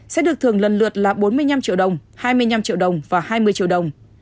sẽ được thưởng lần lượt là bốn mươi năm triệu đồng hai mươi năm triệu đồng và hai mươi triệu đồng